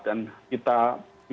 dan kita pikir